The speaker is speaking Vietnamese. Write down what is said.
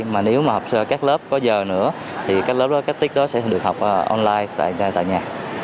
mà nếu mà các lớp có giờ nữa thì các lớp đó các tiết đó sẽ được học online